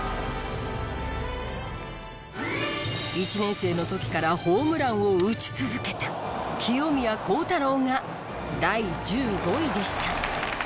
１年生の時からホームランを打ち続けた清宮幸太郎が第１５位でした。